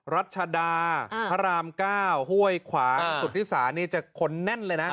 รัชดาพระราม๙ห้วยขวางสุธิสานี่จะคนแน่นเลยนะ